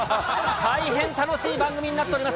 大変楽しい番組になっております。